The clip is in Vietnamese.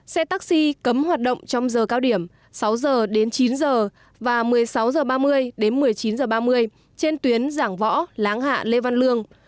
xe taxi cấm hoạt động trong giờ cao điểm sáu h đến chín h và một mươi sáu h ba mươi đến một mươi chín h ba mươi trên tuyến giảng võ láng hạ lê văn lương